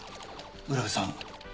占部さん。